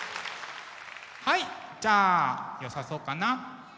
はいじゃあよさそうかな？